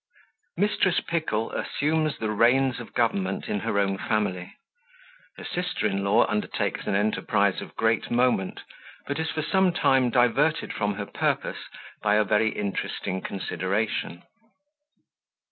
Mrs. Pickle assumes the Reins of Government in her own Family Her Sister in law undertakes an Enterprise of great Moment, but is for some time diverted from her Purpose by a very interesting Consideration.